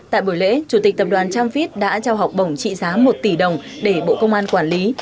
tại buổi lễ chủ tịch tập đoàn tramvit đã trao học bổng trị giá một tỷ đồng để bộ công an quản lý